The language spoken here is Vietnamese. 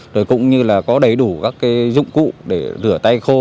rồi cũng như là có đầy đủ các dụng cụ để rửa tay khô